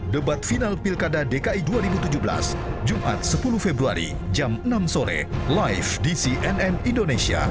debat final pilkada dki dua ribu tujuh belas jumat sepuluh februari jam enam sore live di cnn indonesia